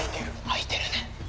開いてるね。